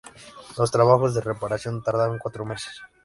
Los trabajos de reparación tardaron cuatro meses.